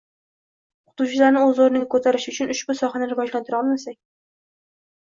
o‘qituvchilarni o‘z o‘rniga ko‘tarish uchun ushbu sohani rivojlantira olmasak?